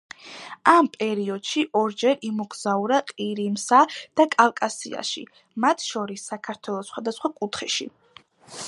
ამ პერიოდში ორჯერ იმოგზაურა ყირიმსა და კავკასიაში, მათ შორის საქართველოს სხვადასხვა კუთხეში.